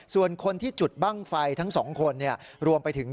ส่วนคนที่จุดบ้างไฟทั้งสองคนรวมไปถึง